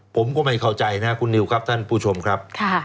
ผมก็ไม่เข้าใจนะคุณนิวครับท่านผู้ชมครับ